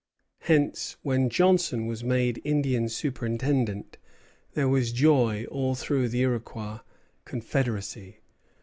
Hence, when Johnson was made Indian superintendent there was joy through all the Iroquois confederacy.